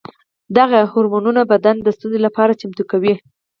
دغه هورمونونه بدن د ستونزو لپاره چمتو کوي.